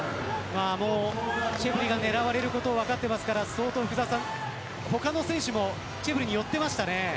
チェブリが狙われることは分かっていますから他の選手もチェブリに寄っていました。